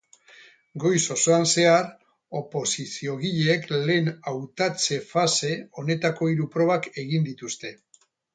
Goiz osoan zehar, oposiziogileek lehen hautatze-fase honetako hiru probak egin dituzte.